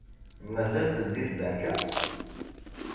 Mazal teldi tbanka?